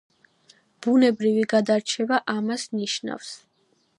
ბუნებრივი გადარჩევა ამას ნიშნავს.